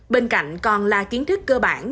bên cạnh còn là kiến thức cơ bản